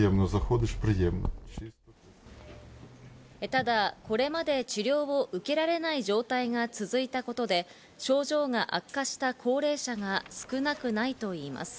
ただ、これまで治療を受けられない状態が続いたことで、症状が悪化した高齢者が少なくないといいます。